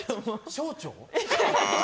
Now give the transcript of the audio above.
小腸？